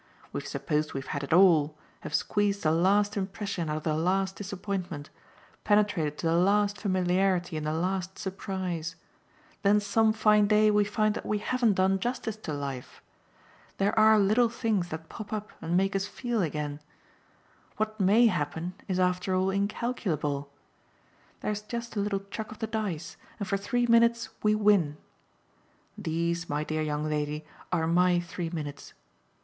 We've supposed we've had it all, have squeezed the last impression out of the last disappointment, penetrated to the last familiarity in the last surprise; then some fine day we find that we haven't done justice to life. There are little things that pop up and make us feel again. What MAY happen is after all incalculable. There's just a little chuck of the dice, and for three minutes we win. These, my dear young lady, are my three minutes.